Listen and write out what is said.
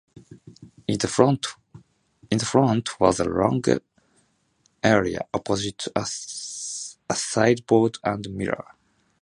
In the front was a lounge area opposite a sideboard and mirror.